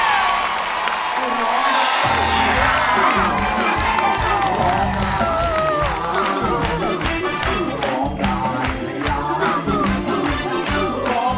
เพลงที่๑มูลค่า๑๐๐๐๐บาทคุณสุนารีร้อง